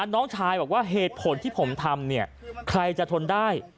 น้องชายบอกว่าเหตุผลที่ผมทำเนี่ยใครจะทนได้